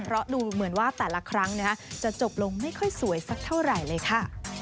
เพราะดูเหมือนว่าแต่ละครั้งจะจบลงไม่ค่อยสวยสักเท่าไหร่เลยค่ะ